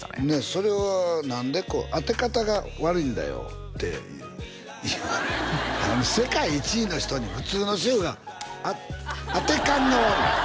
それは何でこう「当て方が悪いんだよ」って世界１位の人に普通の主婦が「当てカンが悪い」